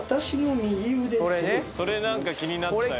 それ何か気になったよ。